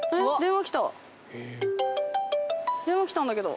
電話きたんだけど。